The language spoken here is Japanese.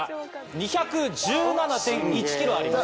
２１７．１ｋｍあります。